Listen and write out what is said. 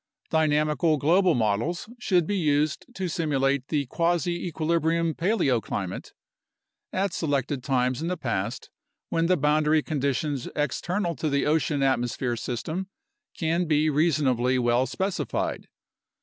Dynamical global models should be used to simulate the quasi equilibrium paleoclimate at selected times in the past when the boundary conditions external to the ocean atmosphere system can be reasonably well specified.